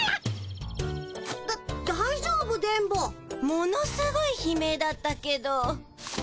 ものすごい悲鳴だったけど。